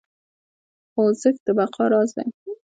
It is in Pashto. خوځښت د بقا راز دی.